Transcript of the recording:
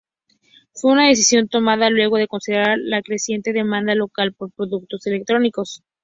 Fue una decisión tomada luego de considerar la creciente demanda local por productos electrónicos.